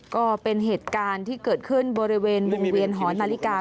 ก็เป็นเหตุการณ์ที่เกิดขึ้นบริเวณวงเวียนหอนาฬิกา